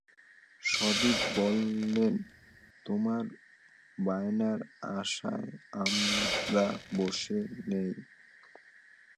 সন্দীপ বললেন, তোমার বায়নার আশায় আমরা বসে নেই।